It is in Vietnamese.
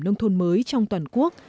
nông thôn mới trong toàn quốc